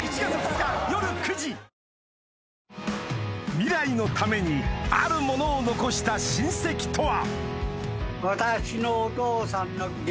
未来のためにあるものを残した親戚とは？